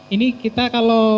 ini kita kalau